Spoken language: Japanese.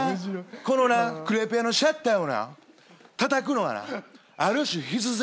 このなクレープ屋のシャッターをなたたくのはなある種必然やねん」って言うんですよ。